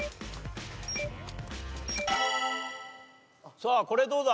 さあこれどうだ？